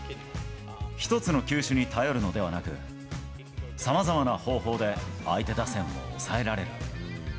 １つの球種に頼るのではなく、さまざまな方法で相手打線を抑えられる。